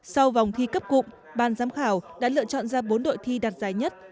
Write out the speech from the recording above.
sau vòng thi cấp cục ban giám khảo đã lựa chọn ra bốn đội thi đạt giá nhất